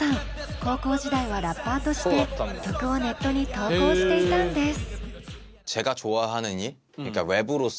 高校時代はラッパーとして曲をネットに投稿していたんです。